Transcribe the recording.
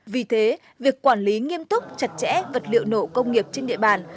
vì thế việc quản lý nghiêm túc chặt chẽ vật liệu nổ công nghiệp trên địa bàn